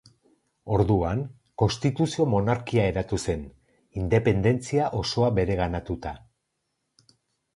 Orduan, konstituzio-monarkia eratu zen, independentzia osoa bereganatuta.